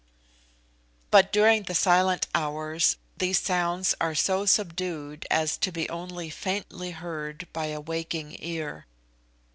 But during the Silent Hours these sounds are so subdued as to be only faintly heard by a waking ear.